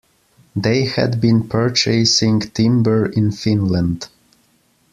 They had been purchasing timber in Finland.